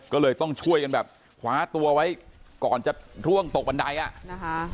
ก็เลยต้องช่วยกันแบบคว้าตัวไว้ก่อนจะร่วงตกบันไดอ่ะนะคะ